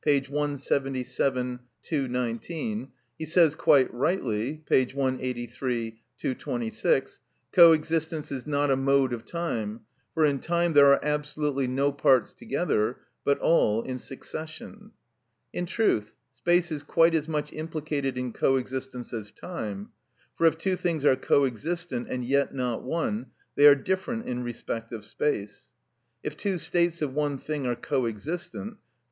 177; V. 219), he says, quite rightly (p. 183; V. 226), "Co existence is not a mode of time, for in time there are absolutely no parts together, but all in succession." In truth, space is quite as much implicated in co existence as time. For if two things are co existent and yet not one, they are different in respect of space; if two states of one thing are co existent (_e.